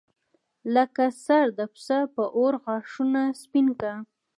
لکه سر د پسه په اور غاښونه سپین کا.